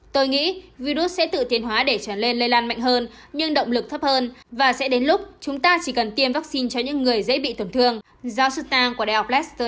tôi nghĩ virus sẽ tự tiến hóa để trở lên lây lan mạnh hơn nhưng động lực thấp hơn và sẽ đến lúc chúng ta chỉ cần tiêm vaccine cho những người dễ bị tổn thương giáo sư tang của đại học leicester nhận xét